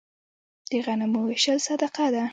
د غنمو ویشل صدقه ده.